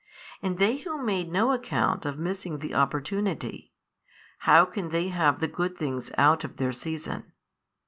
and they who made no account of missing the opportunity, how can they have the good things out of their season?